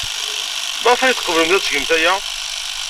Maɣef ay tqeblemt ad tgemt aya?